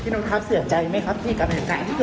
พี่หนุชครับเสียใจไหมครับที่การแบงการที่เกิดขึ้น